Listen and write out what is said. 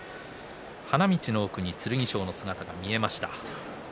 花道の奥に剣翔の姿が見えました。